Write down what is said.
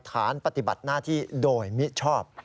ฐานปฏิบัติหน้าที่โดยมิชอบ